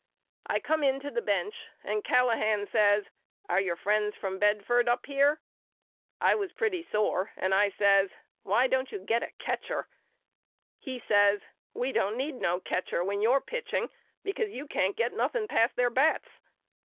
I come in to the bench and Callahan says Are your friends from Bedford up here ? I was pretty sore and I says Why don't you get a catcher 4 ? He says We don't need no catcher when you're pitching because you can't get nothing past their bats.